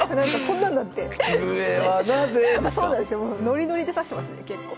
ノリノリで指してますね結構。